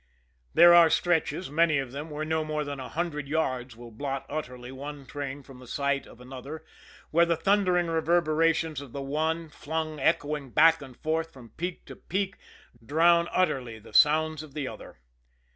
There are stretches, many of them, where no more than a hundred yards will blot utterly one train from the sight of another; where the thundering reverberations of the one, flung echoing back and forth from peak to peak, drown utterly the sounds of the other.